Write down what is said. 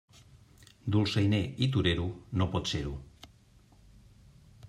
Dolçainer i torero, no pots ser-ho.